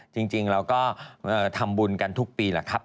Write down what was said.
จริงแล้วก็ทำบุญกันทุกปีล่ะครับ